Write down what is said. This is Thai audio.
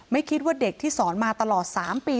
ไม่คิดว่าเด็กที่สอนมาตลอด๓ปี